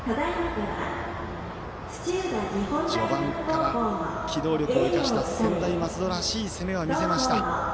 序盤から機動力を生かした専大松戸らしい攻めは見せました。